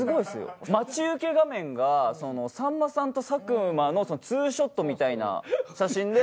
待ち受け画面がさんまさんと佐久間のツーショットみたいな写真で。